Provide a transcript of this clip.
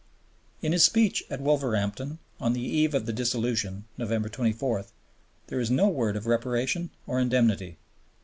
In his speech at Wolverhampton on the eve of the Dissolution (November 24), there is no word of Reparation or Indemnity.